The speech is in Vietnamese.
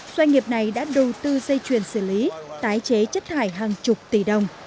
doanh nghiệp này đã đầu tư dây chuyền xử lý tái chế chất thải hàng chục tỷ đồng